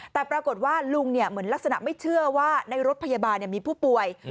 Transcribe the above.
แต่ปรากฏว่าลุงเหมือนลักษณะไม่เชื่อว่าในรถพยาบาลมีผู้ป่วย